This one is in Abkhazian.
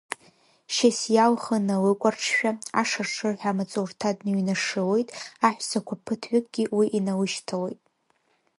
Шьасиа лхы налыкәарҽшәа, ашыршырҳәа амаҵурҭа дныҩнашылоит, аҳәсақәа ԥыҭҩыкгьы уи иналышьҭалоит.